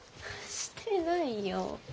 してないよ。